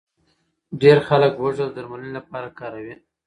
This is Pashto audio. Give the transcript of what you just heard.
ډېر خلک هوږه د درملنې لپاره کاروي.